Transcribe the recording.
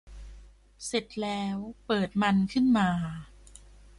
เสร็จแล้วเปิดมันขึ้นมา